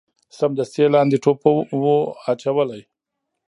سمدستي یې لاندي ټوپ وو اچولی